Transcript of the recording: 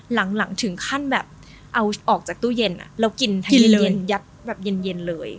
หลังถึงขั้นแบบเอาออกจากตู้เย็นแล้วกินทั้งเย็นยัดแบบเย็นเลย